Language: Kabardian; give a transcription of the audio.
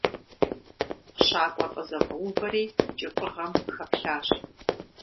Щакӏуэр къызэфӏэувэри кӏыфӏыгъэм хэплъащ.